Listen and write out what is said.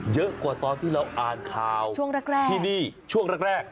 เยอะกว่าตอนที่เราอ่านข่าวช่วงแรกที่นี่ช่วงแรก